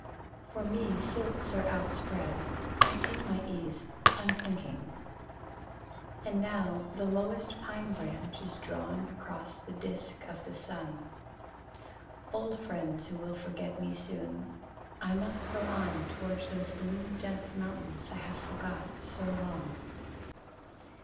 For me silks are outspread. I take my ease, unthinking. V And now the lowest pine branch Is drawn across the disk of the sun. Old friends who will forget me soon I must go on, Towards those blue death mountains I have forgot so long.